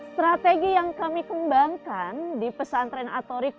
strategi yang kami kembangkan di pesantren atorik